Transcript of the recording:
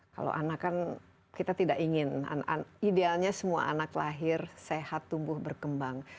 kalau anak kan kita tidak ingin idealnya semua anak lahir sehat tumbuh berkembang